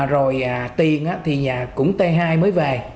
rồi tiền thì cũng t hai mới về